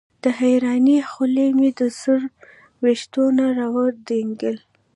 د حېرانۍ خولې مې د سر وېښتو نه راودنګل